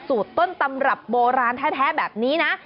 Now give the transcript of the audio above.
สูตรต้นตำรับโบราณแท้แบบนี้นะ